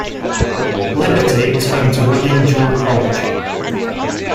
Liberty is home to William Jewell College.